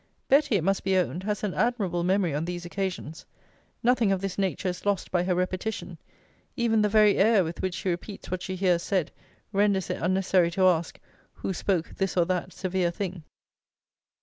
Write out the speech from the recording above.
Betty, it must be owned, has an admirable memory on these occasions. Nothing of this nature is lost by her repetition: even the very air with which she repeats what she hears said, renders it unnecessary to ask, who spoke this or that severe thing.